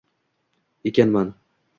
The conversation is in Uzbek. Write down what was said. ekanman.